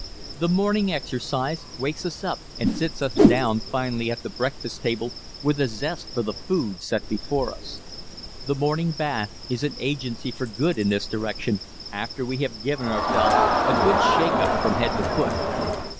The morning exercise wakes us up and sits us down finally at the breakfast table with a zest for the food set before us. The morning bath is an agency for good in this direction after we have given ourselves a good shake up from head to foot.